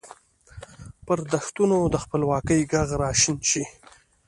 پر دښتونو د خپلواکۍ ږغ را شین شي